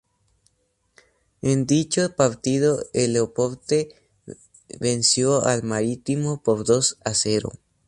En dicho partido el Oporto venció al Marítimo por dos a cero.